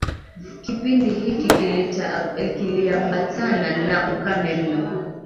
Kipindi hiki kiliambatana na ukame mno